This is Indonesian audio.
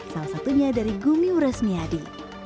salah satunya dari gumi resmiadi